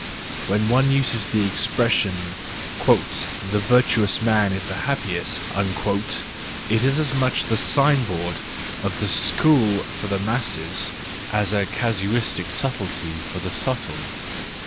(When one uses the expression: " The virtuous man is the happiest," it is as much the sign board of the school for the masses, as a casuistic subtlety for the subtle.)